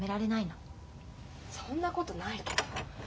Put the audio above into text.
そんなことないけど。